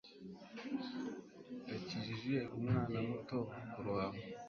Yakijije umwana muto kurohama.